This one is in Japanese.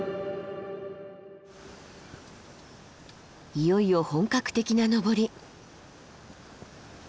いよいよ本格的な登り。